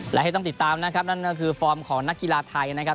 และให้ต้องติดตามนะครับนั่นก็คือฟอร์มของนักกีฬาไทยนะครับ